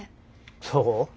そう？